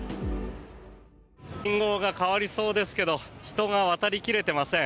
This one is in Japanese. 信号が変わりそうですけど人が渡り切れていません。